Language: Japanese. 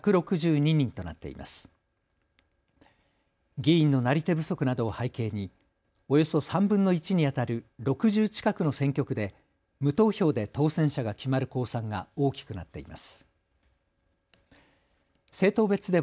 議員のなり手不足などを背景におよそ３分の１にあたる６０近くの選挙区で無投票で当選者が決まる公算が大きくなっています。